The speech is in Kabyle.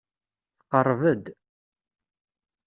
Tqerreb-d.